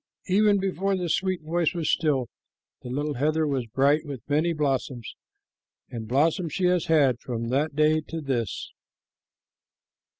Even before the sweet voice was still, the little heather was bright with many blossoms, and blossoms she has had from that day to this.